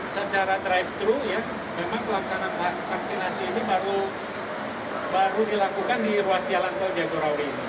secara drive thru ya memang pelaksanaan vaksinasi ini baru dilakukan di ruas jalan tol jagorawi